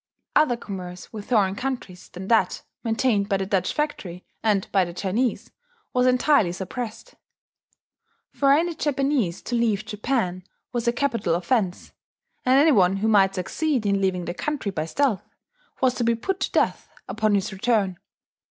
Other commerce with foreign countries than that maintained by the Dutch factory, and by the Chinese, was entirely suppressed. For any Japanese to leave Japan was a capital offence; and any one who might succeed in leaving the country by stealth, was to be put to death upon his return.